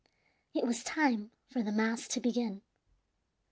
It was time for the mass to begin.